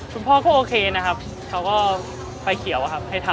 คุณพ่อก็โอเคนะครับเขาก็ไฟเขียวอะครับให้ทำ